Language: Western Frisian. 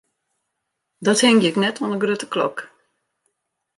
Dat hingje ik net oan 'e grutte klok.